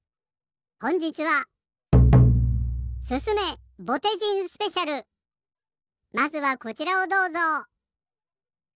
ほんじつはまずはこちらをどうぞ。